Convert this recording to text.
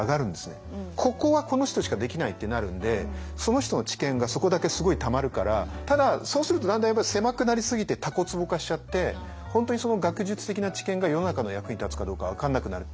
ここはこの人しかできないってなるんでその人の知見がそこだけすごいたまるからただそうするとだんだんやっぱり狭くなりすぎてたこつぼ化しちゃって本当にその学術的な知見が世の中の役に立つかどうか分かんなくなる。